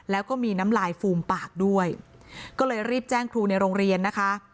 แล้วก็มีน้ำลายฟูมปากด้วยก็เลยรีบแจ้งครูในโรงเรียนนะคะ